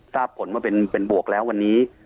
ถ้าผลเป็นเป็นบวกแล้ววันนี้